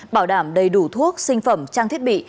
bảo đảm đầy đủ thuốc sinh phẩm trang thiết bị